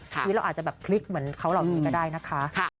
ที่เราอาจจะแบบคลิกเหมือนเขาเหล่านี้ก็ได้นะคะ